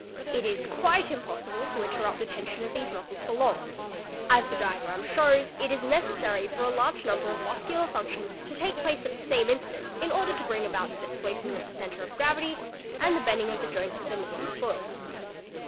It is quite impossible — to interrupt the tension of these muscles for long; as the diagram shows, it is necessary for a large number of muscular functions to take place — at the same instant in order to bring about the displacement of the centre of gravity and the bending of the joints of the knee and the © foot.